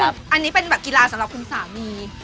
อันนี้เป็นแบบกีฬาสำหรับคุณสามี